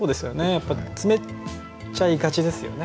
やっぱ詰めちゃいがちですよね。